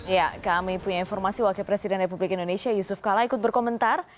ya kami punya informasi wakil presiden republik indonesia yusuf kala ikut berkomentar